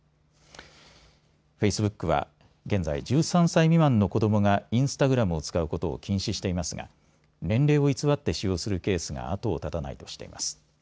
フェイスブックは現在１３歳未満の子どもがインスタグラムを使うことを禁止していますが年齢を偽って使用するケースが後を絶たないとしています。